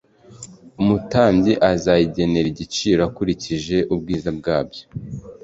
Umutambyi azayigenere igiciro akurikije ubwiza bwayo